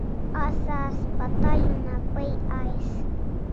Asa haspatal una pai ais